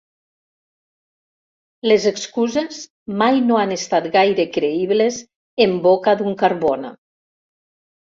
Les excuses mai no han estat gaire creïbles en boca d'un Carbona.